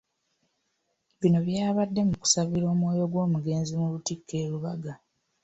Bino byabadde mu kusabira omwoyo gw'omugenzi mu lutikko e Lubaga.